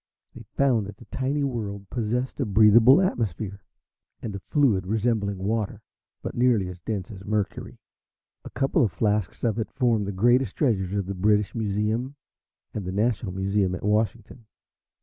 They found that the tiny world possessed a breathable atmosphere and a fluid resembling water, but nearly as dense as mercury. A couple of flasks of it form the greatest treasures of the British Museum and the National Museum at Washington.